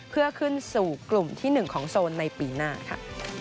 เพื่อขึ้นสู่กลุ่มที่๑ของโซนในปีหน้าค่ะ